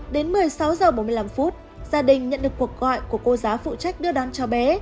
đến một mươi sáu h bốn mươi năm gia đình nhận được cuộc gọi của cô giáo phụ trách đưa đón cháu bé